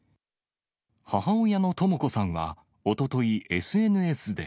母親のとも子さんは、おととい、ＳＮＳで。